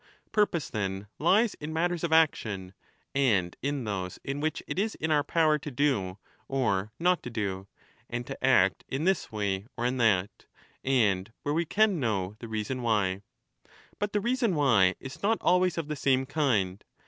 Purpose, then, lies in matters of action, and in those in which it is in our power to do or not to do, and to act in this way or in that, and where we can know the reason why. But the reason why is not always of the same kind.